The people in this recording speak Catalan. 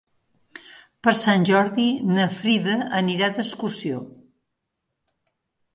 Per Sant Jordi na Frida anirà d'excursió.